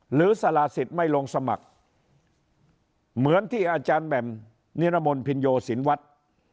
หรือสาระสิทธิ์ไม่ลงสมัครเหมือนที่อาจารย์แหม่มนิรมนภินโยสินวัตร